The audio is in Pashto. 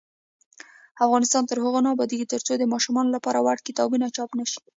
افغانستان تر هغو نه ابادیږي، ترڅو د ماشومانو لپاره وړ کتابونه چاپ نشي.